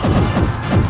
aku akan menang